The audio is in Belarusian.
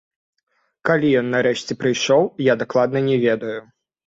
Калі ён нарэшце прыйшоў, я дакладна не ведаю.